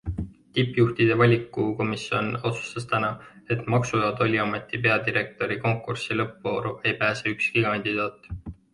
Tippjuhtide valikukomisjon otsustas täna, et maksu- ja tolliameti peadirektori konkursi lõppvooru ei pääse ükski kandidaat.